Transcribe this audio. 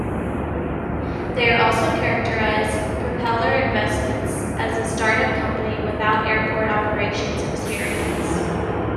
They also characterized Propeller Investments as a startup company without airport operations experience.